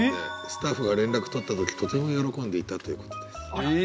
スタッフが連絡取った時とても喜んでいたということです。